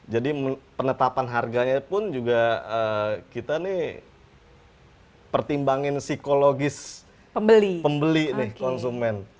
jadi penetapan harganya pun juga kita nih pertimbangin psikologis pembeli nih konsumen